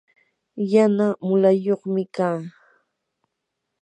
yana mulayuqmi kaa.